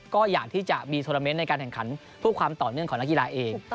ก็อยากที่จะมีโทรเมนต์ในการแข่งขันเพื่อความต่อเนื่องของนักกีฬาเอง